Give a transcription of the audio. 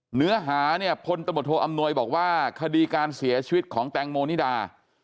เนื้อหาเนี่ยพลตำรวจโทอำนวยบอกว่าคดีการเสียชีวิตของแตงโมนิดา